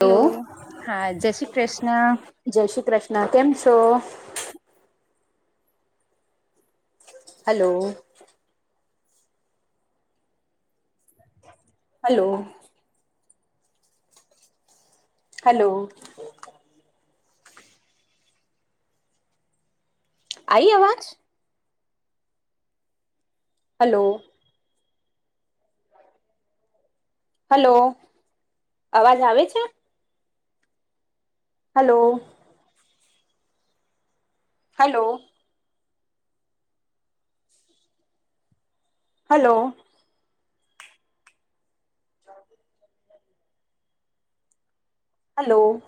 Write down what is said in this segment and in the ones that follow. Hello હા જય શ્રી કૃષ્ણ. જય શ્રી કૃષ્ણ કેમ છો? હલો. હલો. હલો. આઈ આવાજ? હલો. હલો. અવાજ આવે છે? હલો. હલો. હલો. ચાલ... [unintelligible] હાલો.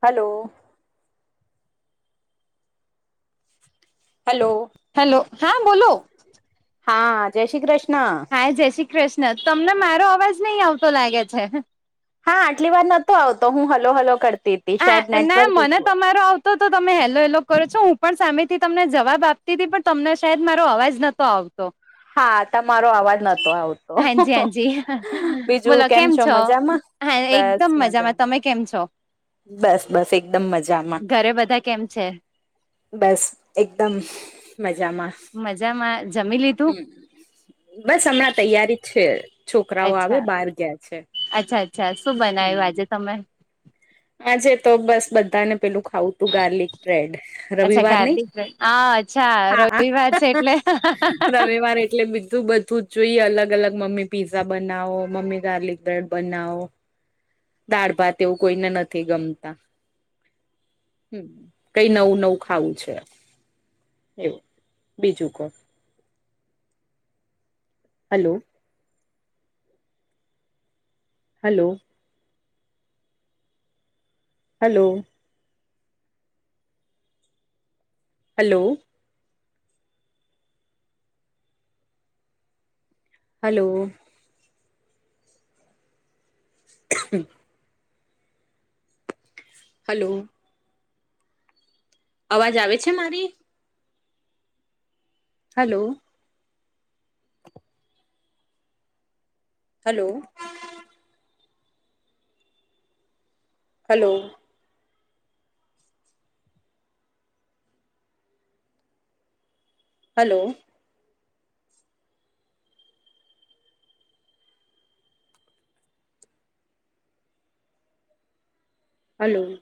હલો. હલો. હેલો હા બોલો. હા જય શ્રી કૃષ્ણ. હા જય શ્રી કૃષ્ણ તમને મારો અવાજ નહી આવતો લાગે છે. હા આટલી વાર નહોતો આવતો હું હલો હલો કરતી. હતી હ શાયદ ના નેટવર્ક મને ઇસ્યુ તમારો આવ તો તો તમે હેલો હેલો કરો છો હું પણ સામેથી તમને જવાબ આપતી હતી પણ તમને સાદ મારો અવાજ નતો આવતો. હા તમારો આવાજ હાજી હાજી બોલો કેમ છો? હા એકદમ મજામાં. તમે કેમ છો? બસ બસ એકદમ મજામાં. ઘરે બધા કેમ છે બસ એકદમ મજામાં. મજામાં જમી લીધું? બસ હમણાં તૈયારી છે છોકરાઓ આવે અચ્છા બહાર ગયા છે. અચ્છા અચ્છા હમ બનાવ્યું આજે તમે? આજે તો બસ બધાને પેલું ખાવું, તું ગાર્લિક. અચ્છા રવિવાર ગાર્લિક બ્રેડ હા અચ્છા હા, રવિવાર છે એટલે રવિવારે એટલે બીધું બધું જ જોઈએ અલગ અલગ મમ્મી પીઝા બનાવો મમ્મી ગાર્લિક બ્રેડ બનાવો. દાળભાત એવું કોઈને નથી ગમતા. હમ કઈ નવું નવું ખાવું છે. એવું બીજું કોણ? Hello. Hello. Hello. Hello. Hello. [inaudible] Hello. અવાજ આવે છે મારી? Hello. Hello. Hello. Hello. Hello.